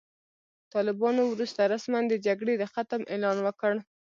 طالبانو وروسته رسماً د جګړې د ختم اعلان وکړ.